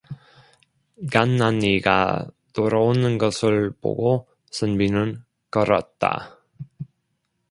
간난이가 돌아오는 것을 보고 선비는 걸었다.